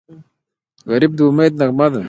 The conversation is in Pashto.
غریب د امید نغمه ده